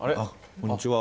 こんにちは。